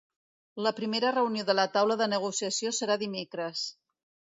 La primera reunió de la taula de negociació serà dimecres.